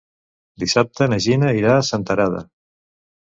Dissabte na Gina irà a Senterada.